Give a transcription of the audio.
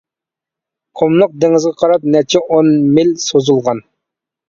قۇملۇق دېڭىزغا قاراپ نەچچە ئون مىل سوزۇلغان.